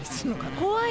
怖い。